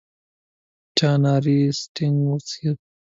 چا اناري سټینګ وڅښو.